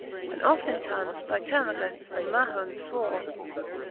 And oftentimes by Turmagant and Mahound fwore.